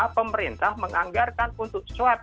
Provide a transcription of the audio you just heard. pemerintah menganggarkan untuk swaps